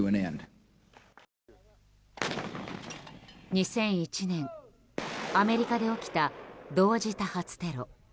２００１年アメリカで起きた同時多発テロ。